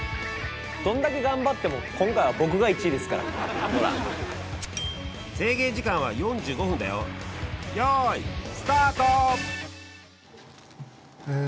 どんだけ頑張っても今回は僕が１位ですから制限時間は４５分だよよいスタート！